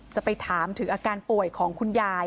จะไปถามถึงอาการป่วยของคุณยาย